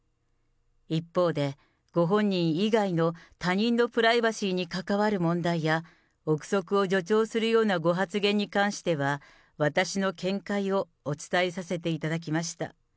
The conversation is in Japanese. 一方で、ご本人以外の他人のプライバシーに関わる問題や臆測を助長するようなご発言に関しては、私の見解をお伝えさせていただきました。